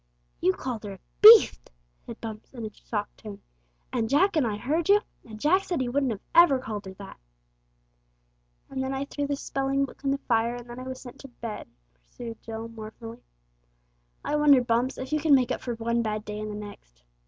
"You called her a beatht!" said Bumps in a shocked tone; "and Jack and I heard you, and Jack said he wouldn't never have called her that!" "And then I threw the spelling book in the fire, and then I was sent to bed," pursued Jill mournfully. "I wonder, Bumps, if you can make up for one bad day in the next.